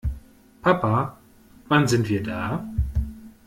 Papa, wann sind wir da?